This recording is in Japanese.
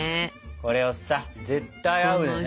これをさ絶対合うよねこれ。